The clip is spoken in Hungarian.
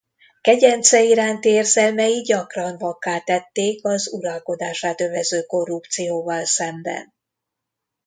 Kegyencei iránti érzelmei gyakran vakká tették az uralkodását övező korrupcióval szemben.